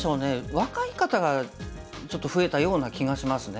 若い方がちょっと増えたような気がしますね。